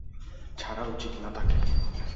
ছাড়া উচিত না তাকে।